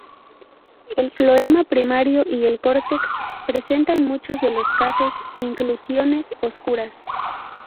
El floema primario y el córtex presenta en muchos de los casos inclusiones oscuras.